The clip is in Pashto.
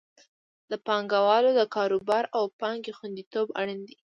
د پانګوالو د کاروبار او پانګې خوندیتوب اړین دی.